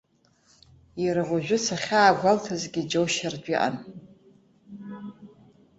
Иара уажәы сахьаагәалҭазгьы џьоушьартә иҟан.